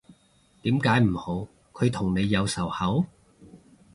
點解唔好，佢同你有仇口？